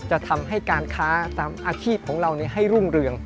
จะทำให้การค้าตามอาชีพของเราให้รุ่งเรือง